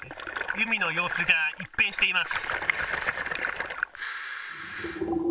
海の様子が一変しています。